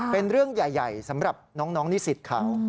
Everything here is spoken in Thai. เป็นเรื่องใหญ่สำหรับน้องนิสิตเขา